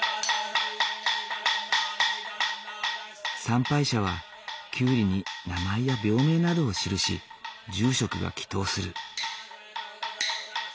参拝者はキュウリに名前や病名などを記し住職が祈とうする。